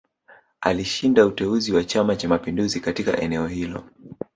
Alishinda uteuzi wa Chama Cha Mapinduzi katika eneo hilo